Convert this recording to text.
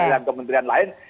dan kementerian lain